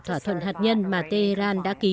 thỏa thuận hạt nhân mà tehran đã ký